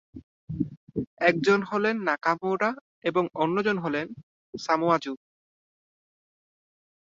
একজন হলেন নাকামুরা এবং অন্যজন হলেন সামোয়া জো।